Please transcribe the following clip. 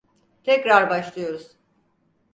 Tekrar başlıyoruz.